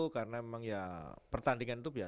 karena memang ya pertandingan itu biar